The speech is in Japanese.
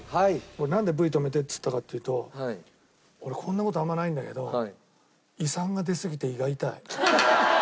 俺なんで「Ｖ止めて」っつったかっていうと俺こんな事あんまないんだけど胃酸が出すぎて胃が痛い。